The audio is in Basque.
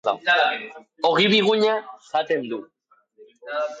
Ogi biguna jaten du.